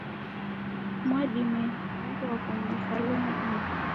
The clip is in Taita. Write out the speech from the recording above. Mwadime ni mdaw'ana uvalo nadime.